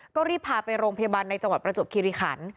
ก็รีบพาไปโรงพยาบาลในจังหวัดประจวบคิริขัน